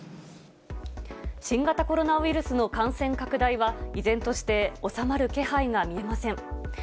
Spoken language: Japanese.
新型コロナウイルスの感染拡大は、依然として収まる気配が見えません。